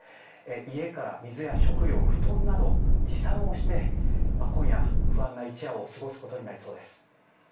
家から水や食料、布団など持参をして今夜、不安な一夜を過ごすことになりそうです。